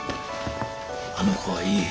あの子はいい。